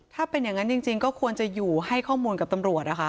ถ้าเป็นอย่างนั้นจริงก็ควรจะอยู่ให้ข้อมูลกับตำรวจนะคะ